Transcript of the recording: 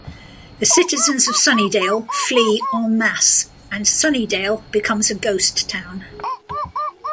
The citizens of Sunnydale flee en masse and Sunnydale becomes a ghost town.